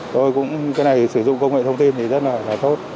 tôi cũng cái này sử dụng công nghệ thông tin